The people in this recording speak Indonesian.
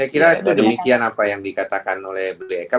saya kira demikian apa yang dikatakan oleh bli eka